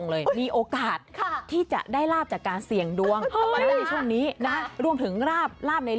ดวงดีจริงเป็นอันดับ๓นะคะ